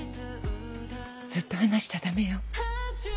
ずっと離しちゃダメよ。